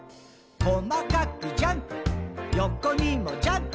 「こまかくジャンプ」「横にもジャンプ」